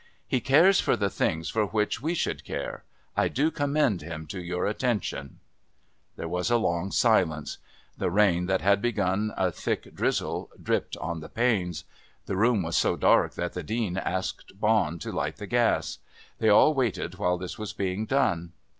"He cares for the things for which we should care. I do commend him to your attention " There was a long silence. The rain that had begun a thick drizzle dripped on the panes. The room was so dark that the Dean asked Bond to light the gas. They all waited while this was being done.